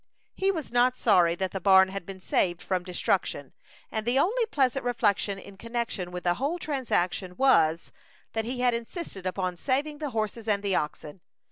He was not sorry that the barn had been saved from destruction; and the only pleasant reflection in connection with the whole transaction was, that he had insisted upon saving the horses and the oxen.